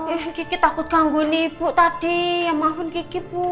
eh gigi takut ganggu nih ibu tadi ya maafin gigi bu